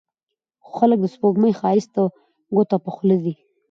خو خلک د سپوږمۍ ښايست ته ګوته په خوله دي